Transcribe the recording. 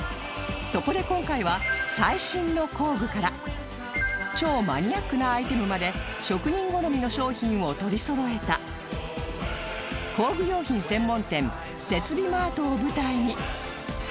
そこで今回は最新の工具から超マニアックなアイテムまで職人好みの商品を取りそろえた工具用品専門店設備マートを舞台に